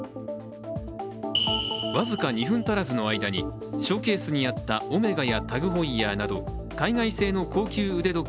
僅か２分たらずの間にショーケースにあったオメガやタグ・ホイヤーなど海外製の高級腕時計